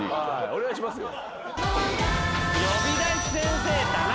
お願いしますよ。